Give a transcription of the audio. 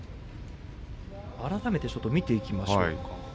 改めて見ていきましょうか。